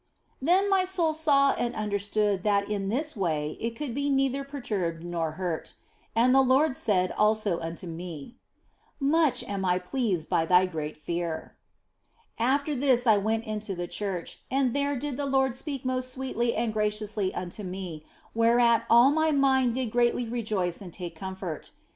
Then my soul saw and understood that in this way it could be neither perturbed nor hurt. And the Lord said also unto me, " Much am I pleased by thy great fear." After this I went into the church, and there did the Lord speak most sweetly and graciously unto me, whereat all my mind did greatly rejoice and take comfort.